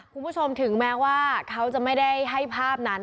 คุณผู้ชมถึงแม้ว่าเขาจะไม่ได้ให้ภาพนั้น